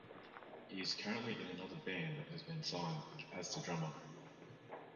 He is currently in another band that has been signed, as the drummer.